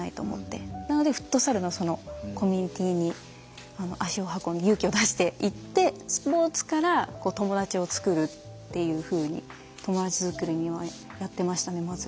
なのでフットサルのそのコミュニティーに足を運んで勇気を出して行ってスポーツから友達をつくるっていうふうに友達づくりをやってましたねまず。